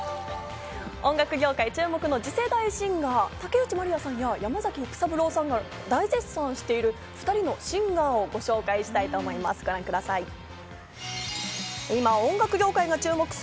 音楽業界注目の次世代シンガー、竹内まりやさんや山崎育三郎さんらが大絶賛している２人のシンガーをご紹介したいと思います。